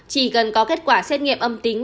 chỉ cần có kết quả xét nghiệm âm tính